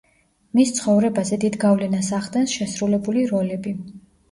მის ცხოვრებაზე დიდ გავლენას ახდენს შესრულებული როლები.